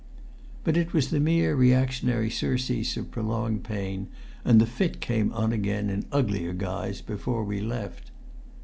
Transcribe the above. But it was the mere reactionary surcease of prolonged pain, and the fit came on again in uglier guise before he left.